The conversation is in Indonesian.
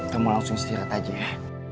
kamu langsung istirahat aja ya